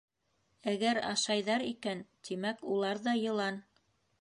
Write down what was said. —Әгәр ашайҙар икән, тимәк, улар ҙа йылан!